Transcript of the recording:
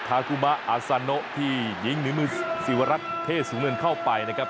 ทากุมะอาซาโนที่หญิงหนึ่งมือสิวรัตต์เพศสูงเนินเข้าไปนะครับ